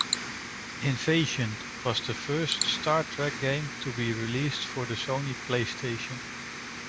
"Invasion" was the first "Star Trek" game to be released for the Sony Playstation.